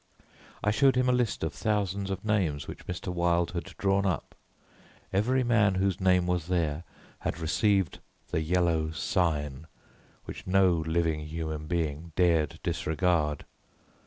I showed him a list of thousands of names which Mr. Wilde had drawn up; every man whose name was there had received the Yellow Sign which no living human being dared disregard.